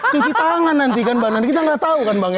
cuci tangan nanti kan badan kita nggak tahu kan bang ya